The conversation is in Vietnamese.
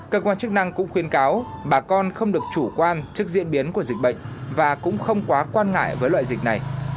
cơ quan chức năng cũng khuyên cáo bà con không được chủ quan trước diễn biến của dịch bệnh và cũng không quá quan ngại với loại dịch này